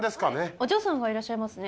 お嬢さんがいらっしゃいますね。